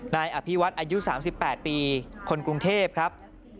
นายอภิวัฒน์อายุ๓๘ปีคนกรุงเทพครับ